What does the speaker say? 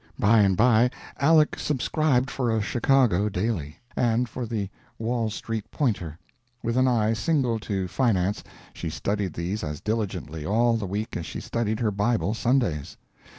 By and by Aleck subscribed to a Chicago daily and for the Wall Street Pointer. With an eye single to finance she studied these as diligently all the week as she studied her Bible Sundays.